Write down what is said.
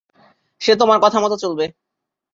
সে তোমার কথা মতো চলবে না।